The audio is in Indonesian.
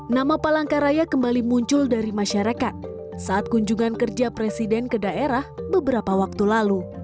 nama palangkaraya kembali muncul dari masyarakat saat kunjungan kerja presiden ke daerah beberapa waktu lalu